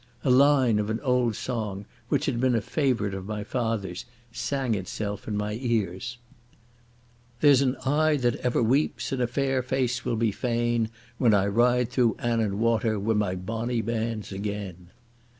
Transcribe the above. A line of an old song, which had been a favourite of my father's, sang itself in my ears: There's an eye that ever weeps and a fair face will be fain When I ride through Annan Water wi' my bonny bands again!